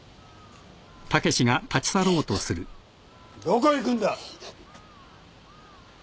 どこ行くんだ？